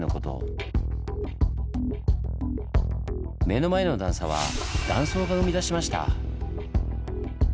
目の前の段差は断層が生み出しました。